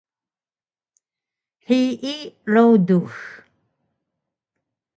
hiyi rudux